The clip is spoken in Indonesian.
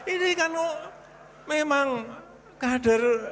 ini kan memang kader